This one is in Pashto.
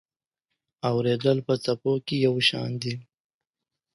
اورېدل په څپو کې یو شان دي.